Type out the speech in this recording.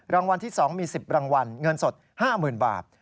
รางวัลที่๒มี๑๐รางวัลเงินสด๕๐๐๐บาท